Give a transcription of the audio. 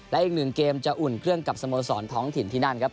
และอีกหนึ่งเกมจะอุ่นเครื่องกับสโมสรท้องถิ่นที่นั่นครับ